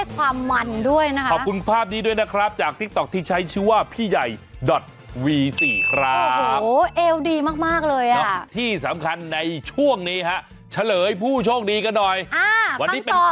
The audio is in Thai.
คำตอบคืออะไรคะ